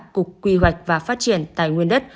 cục quy hoạch và phát triển tài nguyên đất